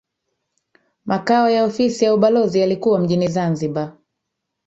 Makao ya ofisi za ubalozi yalikuwa Mjini Zanzibar